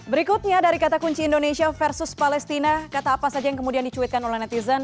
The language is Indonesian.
berikutnya dari kata kunci indonesia versus palestina kata apa saja yang kemudian dicuitkan oleh netizen